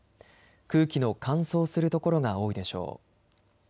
空気の乾燥する所が多いでしょう。